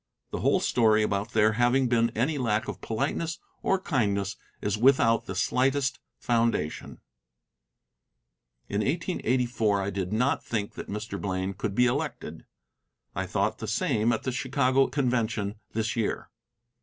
The whole story about there having been any lack of politeness or kindness is without the slightest foundation. In 1884 I did not think that Mr. Blaine could be elected. I thought the same at the Chicago convention this year.